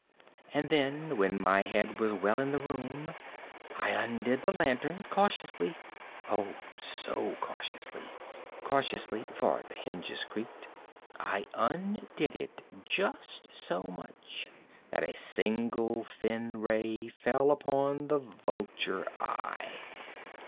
And then, when my head was well in the room, I undid the lantern cautiously—oh, so cautiously—cautiously (for the hinges creaked)—I undid it just so much that a single thin ray fell upon the vulture eye.